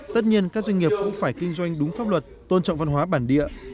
tất nhiên các doanh nghiệp cũng phải kinh doanh đúng pháp luật tôn trọng văn hóa bản địa